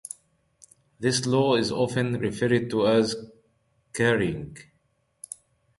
This law is often referred to as "carrying".